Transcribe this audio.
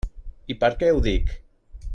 I per què ho dic?